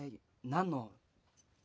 何の？